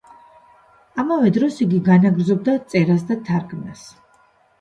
ამავე დროს იგი განაგრძობდა წერას და თარგმნას.